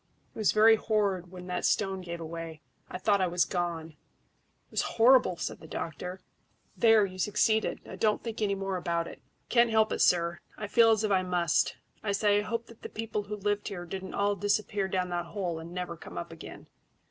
It was very horrid when that stone gave way. I thought I was gone." "It was horrible!" said the doctor. "There, you succeeded; now don't think any more about it." "Can't help it, sir. I feel as if I must. I say, I hope that the people who lived here didn't all disappear down that hole and never come up again."